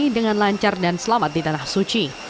dengan lancar dan selamat di tanah suci